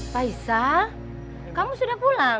faisal kamu sudah pulang